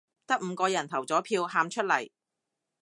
得五個人投咗票，喊出嚟